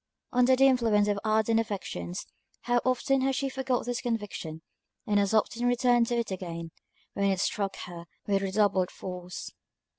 Under the influence of ardent affections, how often has she forgot this conviction, and as often returned to it again, when it struck her with redoubled force.